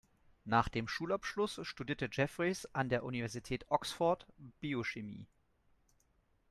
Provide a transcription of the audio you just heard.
Nach dem Schulabschluss studierte Jeffreys an der Universität Oxford Biochemie.